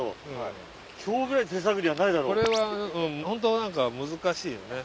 本当なんか難しいよね。